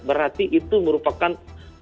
berarti itu merupakan